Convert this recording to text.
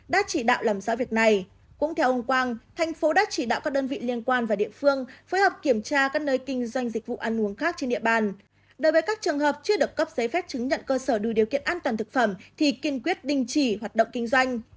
đối với các trường hợp chưa được cấp giấy phép chứng nhận cơ sở đủ điều kiện an toàn thực phẩm thì kiên quyết đình chỉ hoạt động kinh doanh